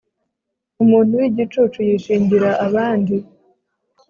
umuntu w'igicucu yishingira abandi